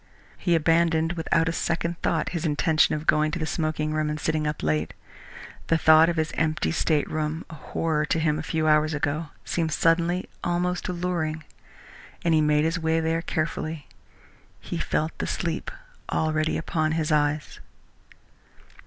He abandoned without a second thought his intention of going to the smoking room and sitting up late. The thought of his empty stateroom, a horror to him a few hours ago, seemed suddenly almost alluring, and he made his way there cheerfully. He felt the sleep already upon his eyes.